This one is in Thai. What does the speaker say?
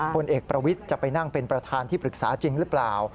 พลเอกประวิทย์จะไปนั่งเป็นประธานที่ปรึกษาจริงหรือเปล่า